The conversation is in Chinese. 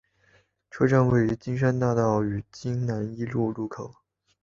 车站位于金山大道与金南一路路口。